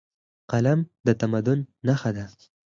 قلم د تمدن نښه ده.